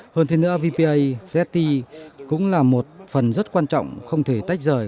hơn thế nữa vpa flecti cũng là một phần rất quan trọng không thể tách rời